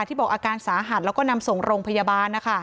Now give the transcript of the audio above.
ที่บอกอาการสาหัสแล้วก็นำส่งโรงพยาบาล